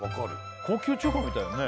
高級中華みたいだね